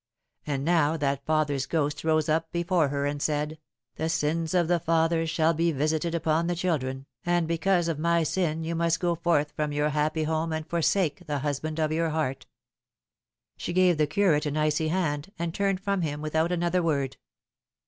And now that father's ghost rose up before her, and said, " The sins of the fathers shall be visited upon the children, and because of my sin you must go forth from your happy home and forsake the hus band of your heart." She gave the curate an icy hand, and turned from him with out another word.